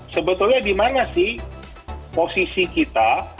sebetulnya di mana sih posisi kita